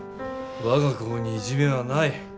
我が校にいじめはない。